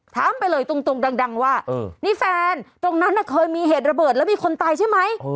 ถามไปเลยตรงดังว่านี่แฟนตรงนั้นเคยมีเหตุระเบิดแล้วมีคนตายใช่ไหม